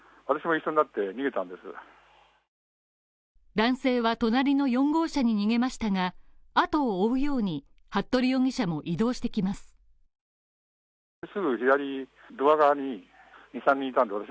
男性は隣の４号車に逃げましたが、後を追うように服部容疑者も移動してきます。